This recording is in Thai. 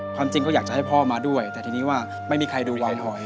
ความจริงก็อยากจะให้พ่อมาด้วยแต่ทีนี้ว่าไม่มีใครดูรอยหอย